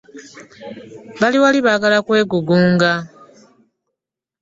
Bali wali baagala kwegugunga.